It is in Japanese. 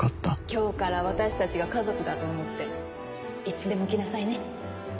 今日から私たちが家族だと思っていつでも来なさいね。